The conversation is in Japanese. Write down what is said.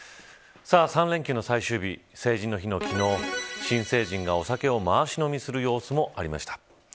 ３連休の最終日成人の日の昨日新成人がお酒を回し飲みする様子もありました。